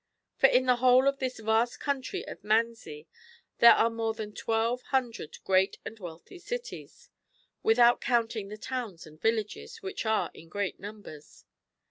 For in the whole of this vast country of Manzi there are more than 1 200 great and wealthy cities, without counting the towns and villages, which are in great numbers.